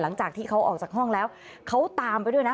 หลังจากที่เขาออกจากห้องแล้วเขาตามไปด้วยนะ